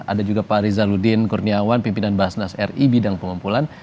ada juga pak rizaludin kurniawan pimpinan basnas ri bidang pengumpulan